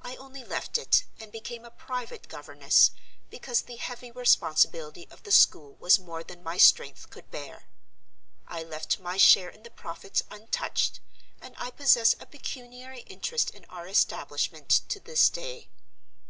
I only left it, and became a private governess, because the heavy responsibility of the school was more than my strength could bear. I left my share in the profits untouched, and I possess a pecuniary interest in our establishment to this day.